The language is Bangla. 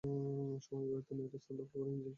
সময়ের বিবর্তনে এর স্থান দখল করেছে ইঞ্জিন চালিত নৌকা।